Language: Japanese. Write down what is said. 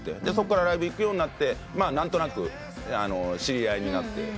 でそっからライブ行くようになって何となく知り合いになって。